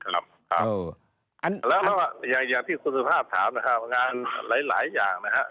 แล้วก็อย่างที่คุณสุภาพถามนะครับงานหลายอย่างนะฮะ